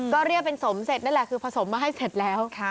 ก็เรียกเป็นสมเสร็จนั่นแหละคือผสมมาให้เสร็จแล้ว